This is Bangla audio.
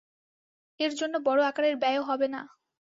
এর জন্য বড় আকারের ব্যয়ও হবে না।